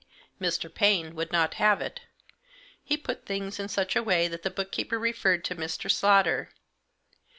Mr. Paine would not have it. He put things in such a way that the book keeper referred to Mr. Slaughter.